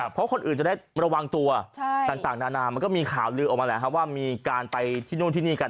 เพราะคนอื่นจะได้ระวังตัวต่างนานามันก็มีข่าวลือออกมาแหละครับว่ามีการไปที่นู่นที่นี่กัน